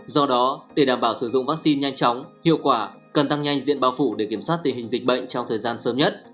do đó để đảm bảo sử dụng vaccine nhanh chóng hiệu quả cần tăng nhanh diện bao phủ để kiểm soát tình hình dịch bệnh trong thời gian sớm nhất